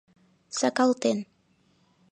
Сакалтен